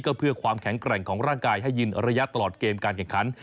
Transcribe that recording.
ก็เพื่อความแข็งแกร่งของร่างกายให้ยินระยะตลอดเกมการแข่งขัน